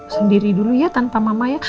sendiri dulu ya tanpa mama ya